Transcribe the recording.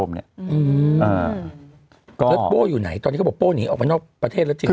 แล้วโป้อยู่ไหนตอนนี้เขาบอกโป้หนีออกไปนอกประเทศแล้วจริง